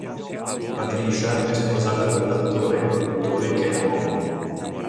Patricia è sposata con l'attore e produttore Ken Olin.